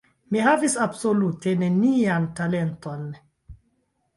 Mi havis absolute nenian talenton.